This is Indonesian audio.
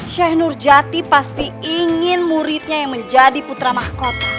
sheikh nurjati pasti ingin muridnya yang menjadi putra mahkota